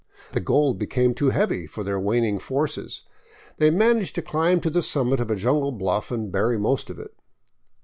The gold became too heavy for their waning forces. They managed to cHmb to the summit of a jungle bluff and bury most of it.